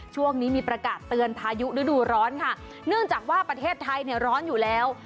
ช่วงนี้มีประกาศเตือนพายุฤดูร้อนค่ะเนื่องจากว่าประเทศไทยเนี่ยร้อนอยู่แล้ว